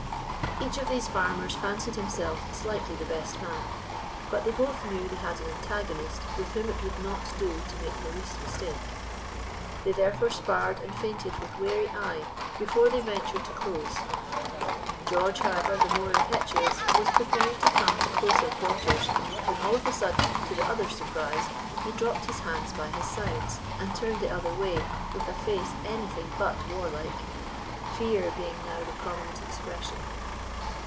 Each of these farmers fancied himself slightly the best man; but they both knew they had an antagonist with whom it would not do to make the least mistake. They therefore sparred and feinted with wary eye before they ventured to close; George, however, the more impetuous, was preparing to come to closer quarters when all of a sudden, to the other's surprise, he dropped his hands by his sides, and turned the other way with a face anything but warlike, fear being now the prominent expression.